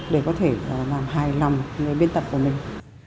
để có thể làm hài lòng người biên tập của mình